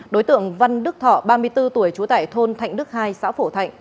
đối tượng văn đức thọ ba mươi bốn tuổi trú tại thôn thạnh đức hai xã phổ thạnh